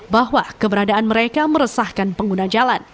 bahwa keberadaan mereka meresahkan pengguna jalan